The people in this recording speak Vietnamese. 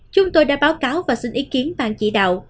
chúng tôi đã báo cáo và xin ý kiến ban chỉ đạo